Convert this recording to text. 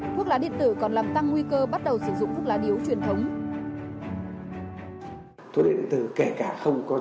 thuốc lá điện tử còn làm tăng nguy cơ bắt đầu sử dụng thuốc lá điếu truyền thống